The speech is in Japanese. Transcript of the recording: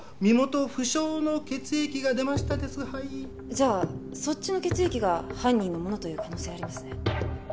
じゃあそっちの血液が犯人のものという可能性ありますね。